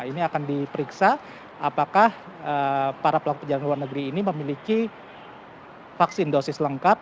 ini akan diperiksa apakah para pelaku perjalanan luar negeri ini memiliki vaksin dosis lengkap